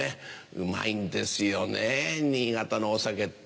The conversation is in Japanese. うまいんですよねぇ新潟のお酒って。